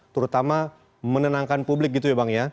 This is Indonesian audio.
terutama menenangkan publik gitu ya bang ya